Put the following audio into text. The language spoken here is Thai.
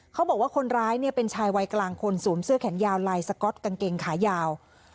เขาบอกว่าคนร้ายเนี่ยเป็นชายวัยกลางคนสวมเสื้อแขนยาวลายสก๊อตกางเกงขายาว